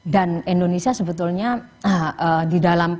dan indonesia sebetulnya di dalam